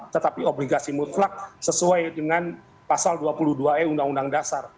tetapi obligasi mutlak sesuai dengan pasal dua puluh dua e undang undang dasar